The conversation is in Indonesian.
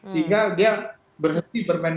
sehingga dia berhenti bermain